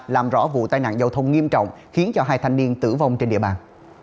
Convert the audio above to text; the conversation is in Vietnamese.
làm rõ vụ tai nạn giao thông nghiêm trọng khiến cho hai thanh niên tử vong trên địa bàn